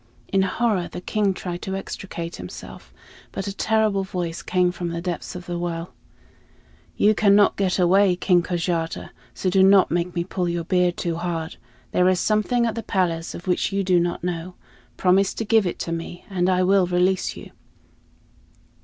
In horror, the king tried to extricate himself, but a terrible voice came from the depths of the well: "You cannot get away, King Kojata, so do not make me pull your beard too hard. There is something at the palace of which you do not know; promise to give it to me, and I will release you."